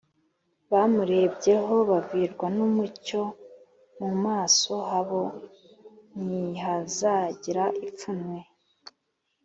Bamurebyeho bavirwa n’umucyo, mu maso habo ntihazagira ipfunwe